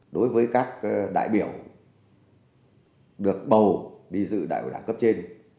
đối với các đại biểu được bầu đi dự đại hội đảng cấp trên